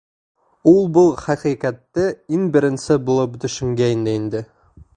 Ул был хәҡиҡәтте иң беренсе булып төшөнгәйне инде.